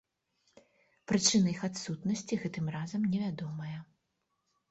Прычына іх адсутнасці гэтым разам невядомая.